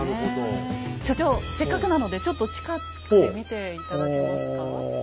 所長せっかくなのでちょっと近くで見て頂けますか？